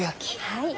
はい。